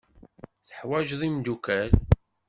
Teḥwajeḍ imeddukal.